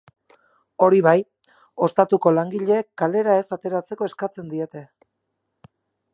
Hori bai, ostatuko langileek kalera ez ateratzeko eskatzen diete.